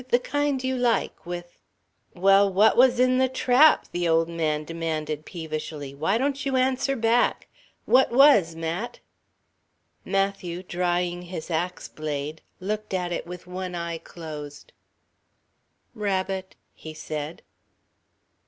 The kind you like, with " "Well, what was in the trap?" the old man demanded peevishly. "Why don't you answer back? What was, Mat?" Matthew, drying his ax blade, looked at it with one eye closed. "Rabbit," he said.